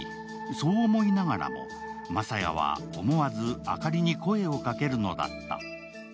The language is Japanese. そう思いながらも、真佐也は思わず、あかりに声をかけるのだった。